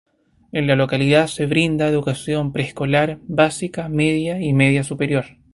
En la localidad se brinda educación preescolar, básica, media y media superior.